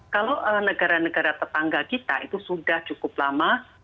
kalau negara negara tetangga kita itu sudah cukup lama